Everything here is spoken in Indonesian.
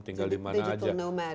tinggal dimana aja